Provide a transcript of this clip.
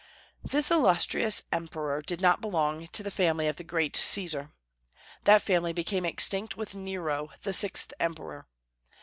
This illustrious emperor did not belong to the family of the great Caesar. That family became extinct with Nero, the sixth emperor.